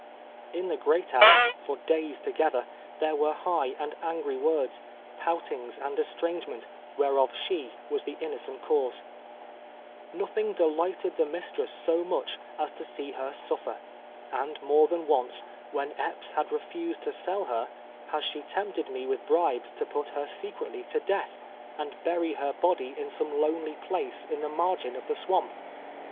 In the great house, for days together, there were high and angry words, j)outings and estrangement, wliereof she was the innocent cause, xs'othing delighted the mistress so much as to see her suffer, and more than once, when Epps had refused to sell her, has she tempted me with bribes to put her secretly to death, and bury her body in some lonely place in the margin of the swamp.